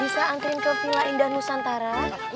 bisa angkirin ke villa indah nusantara